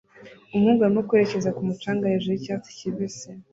umuhungu arimo kwerekeza ku mucanga hejuru yicyatsi kibisi